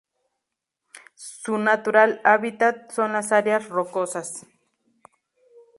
Su natural hábitat son las áreas rocosas.